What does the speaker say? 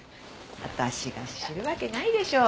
私が知るわけないでしょ。